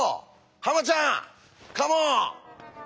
ハマちゃんカモン！